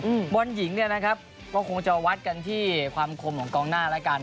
อืมบอลหญิงเนี้ยนะครับก็คงจะวัดกันที่ความคมของกองหน้าแล้วกัน